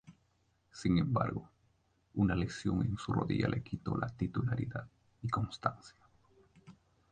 Sin embargo, una lesión en su rodilla le quitó la titularidad y constancia.